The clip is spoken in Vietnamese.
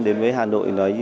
đến với hà nội